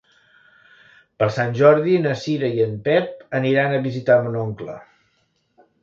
Per Sant Jordi na Cira i en Pep aniran a visitar mon oncle.